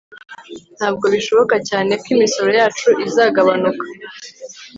Ntabwo bishoboka cyane ko imisoro yacu izagabanuka